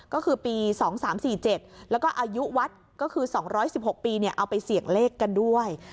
ก็คือปี๒๓๔๗แล้วก็อายุวัดก็คือ๒๑๖ปีเอาไปเสี่ยงเลขกันด้วย